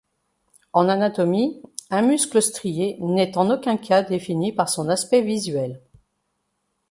En anatomie, un muscle strié n'est en aucun cas défini par son aspect visuel.